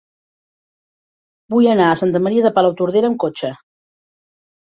Vull anar a Santa Maria de Palautordera amb cotxe.